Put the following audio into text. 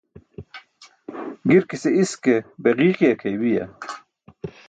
Girkise iske be ġiiki akʰeybiya?